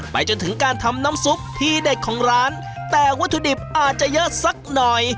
จนถึงการทำน้ำซุปที่เด็ดของร้านแต่วัตถุดิบอาจจะเยอะสักหน่อย